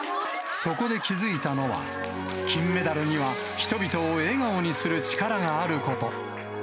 そこで気付いたのは、金メダルには人々を笑顔にする力があること。